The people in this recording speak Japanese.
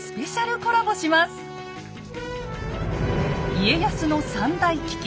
家康の３大危機。